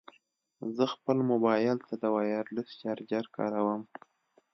زه خپل مبایل ته د وایرلیس چارجر کاروم.